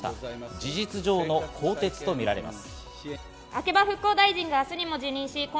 事実上の更迭とみられます。